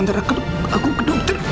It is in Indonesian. kamu harus antara aku ke dokter